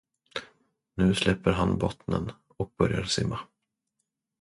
Nu släpper han bottnen och börjar simma.